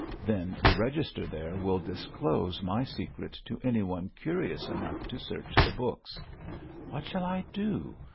Then the register there will disclose my secret to anyone curious enough to search the books. What shall I do?